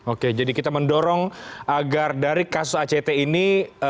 oke jadi kita mendorong agar dari kasus act ini